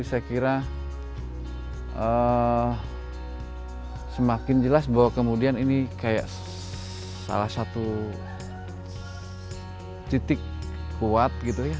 jadi saya kira semakin jelas bahwa kemudian ini kayak salah satu titik kuat gitu ya